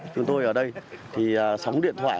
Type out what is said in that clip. chúng tôi ở đây thì sóng điện thoại